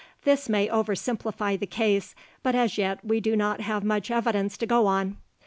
This may over simplify the case, but as yet we do not have much evidence to go on.